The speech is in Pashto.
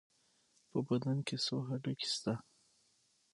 په بدن کې څو هډوکي شته؟